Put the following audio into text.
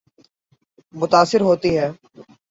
متاثر ہوتی ہے۔